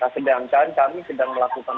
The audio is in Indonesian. sedangkan kami sedang melakukan